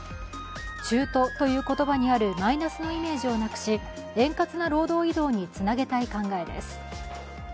中途という言葉にあるマイナスのイメージをなくし円滑な労働移動につなげたい考えです。